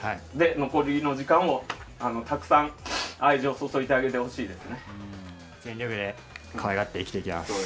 残りの時間をたくさん愛情を注いであげてほしいです。